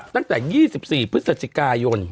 ตั้งแต่๒๔พฤศจิกายน